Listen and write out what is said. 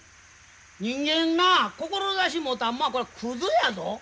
人間な志持たんもんはこれクズやぞ！